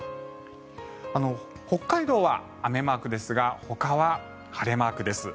北海道は雨マークですがほかは晴れマークです。